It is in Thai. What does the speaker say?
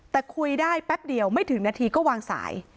แต่คุยได้แป๊บเดียวไม่ถึงนาทีก็วางสาย